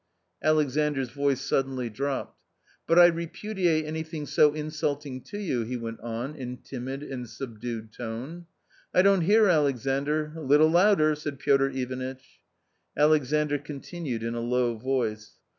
Alexandras voice suddenly dropped. " But I repudiate anything so insulting to you," he went on in timid and subdued tone. "I don't hear, Alexandr, a litde louder!" said Piotr Ivanitch. Alexandr continued in a low voice.